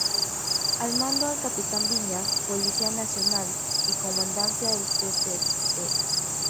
Al mando del Capitán Viñas, Policía Nacional, y comandancia del Tte.